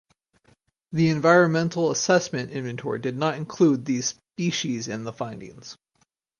The Environmental Assessment inventory did not include these species in the findings.